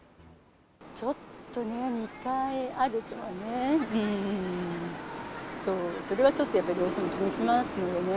ちょっと２回あるのはね、それはちょっとやっぱりどうしても気にしますよね。